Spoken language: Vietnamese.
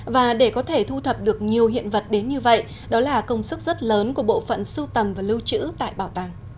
và để có thể thu thập được nhiều hiện vật đến như vậy đó là công sức rất lớn của bộ phận sưu tầm và lưu trữ tại bảo tàng